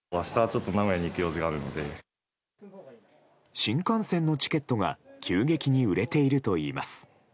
新幹線のチケットが急激に売れているといいます。